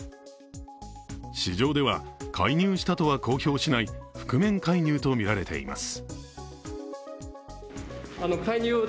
市場では介入したとは公表しない覆面介入とみられています。